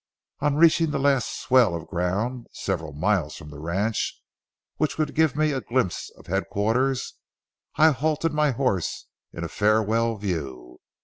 On reaching the last swell of ground, several miles from the ranch, which would give me a glimpse of headquarters, I halted my horse in a farewell view.